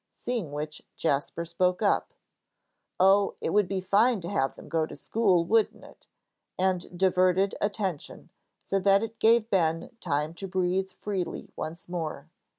Seeing which Jasper spoke up: "Oh, it would be fine to have them go to school, wouldn't it?" and diverted attention so that it gave Ben time to breathe freely once more.